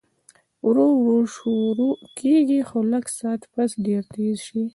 ورو ورو شورو کيږي خو لږ ساعت پس ډېر تېز شي